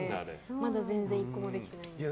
まだ全然１個もできてないんですけど。